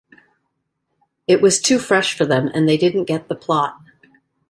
It was too fresh for them and they didn't get the plot.